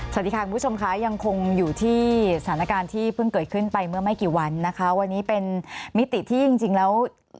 สวัสดีค่ะคุณผู้ชมค่ะยังคงอยู่ที่สถานการณ์ที่เพิ่งเกิดขึ้นไปเมื่อไม่กี่วันนะคะวันนี้เป็นมิติที่จริงแล้ว